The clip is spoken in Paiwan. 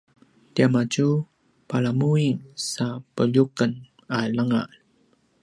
tiamadju palamuin sa peljuqen a langa